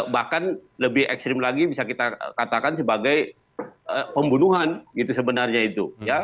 bahkan lebih ekstrim lagi bisa kita katakan sebagai pembunuhan gitu sebenarnya itu